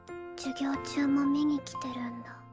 授業中も見に来てるんだ。